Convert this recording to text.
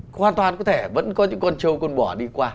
hoàn toàn có thể vẫn có những con châu con bò đi qua